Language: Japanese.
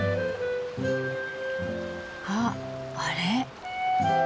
あっあれ。